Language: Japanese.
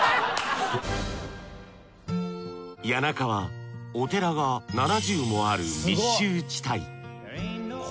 谷中はお寺が７０もある密集地帯。